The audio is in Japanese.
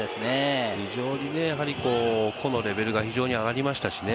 非常に、個のレベルが上がりましたしね。